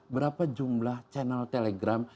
berapa jumlah channel telegram